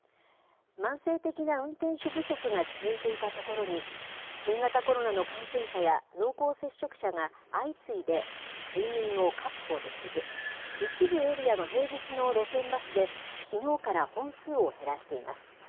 慢性的な運転手不足が続いていたところに、新型コロナの感染者や濃厚接触者が相次いで、人員を確保できず、一部エリアの平日の路線バスで、きのうから本数を減らしています。